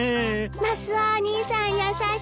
マスオお兄さん優しい。